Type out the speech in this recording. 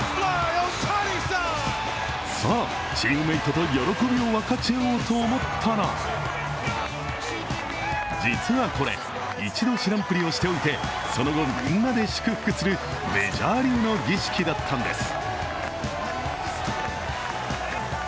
さあチームメイトと喜びを分かち合おうと思ったら、実はこれ、一度知らんぷりをしておいて、その後、みんなで祝福するメジャー流の儀式だったんです。